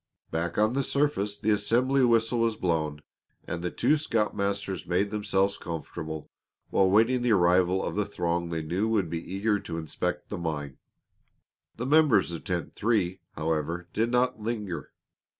Back on the surface the assembly whistle was blown, and the two scoutmasters made themselves comfortable while waiting the arrival of the throng they knew would be eager to inspect the mine. The members of Tent Three, however, did not linger.